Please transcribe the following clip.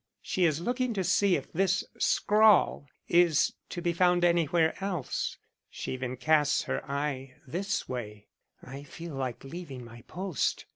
She is looking to see if this scrawl is to be found anywhere else; she even casts her eye this way I feel like leaving my post.